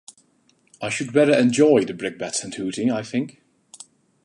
I should rather enjoy the brickbats and hooting, I think.